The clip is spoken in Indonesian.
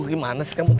aduh gimana sih kamu